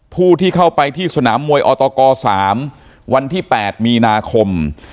ผู้ที่เข้าไปที่สนามมวยอตก๓วันที่๘มีนาคม